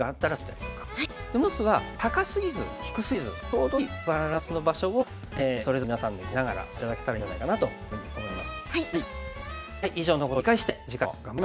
もう１つは高すぎず低すぎずちょうどいいバランスの場所をそれぞれ皆さんの碁を見ながら探して頂けたらいいんじゃないかなというふうに思います。